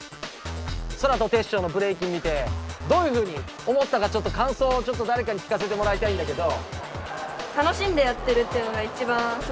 ソラとテッショウのブレイキン見てどういうふうに思ったかちょっとかんそうをだれかに聞かせてもらいたいんだけど。